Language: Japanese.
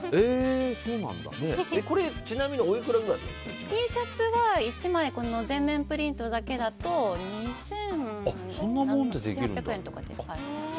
これちなみにＴシャツは１枚全面プリントだけだと２７００２８００円とか。